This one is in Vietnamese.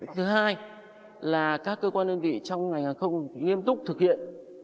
thứ hai là các cơ quan đơn vị trong ngành hàng không nghiêm túc thực hiện